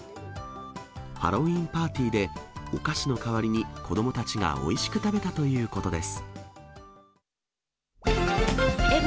ハロウィーンパーティーでお菓子の代わりに子どもたちがおいしく食べたということです。